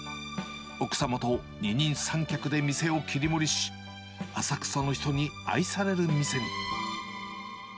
奥様と二人三脚で店を切り盛りし、浅草の人に愛される店に。